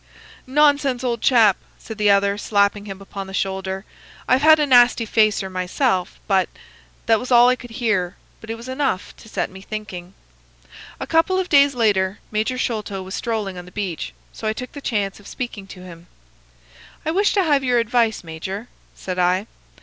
"'Nonsense, old chap!' said the other, slapping him upon the shoulder. 'I've had a nasty facer myself, but—' That was all I could hear, but it was enough to set me thinking. "A couple of days later Major Sholto was strolling on the beach: so I took the chance of speaking to him. "'I wish to have your advice, major,' said I.